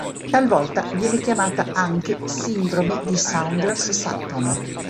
Talvolta viene chiamata anche sindrome di Saunders-Sutton.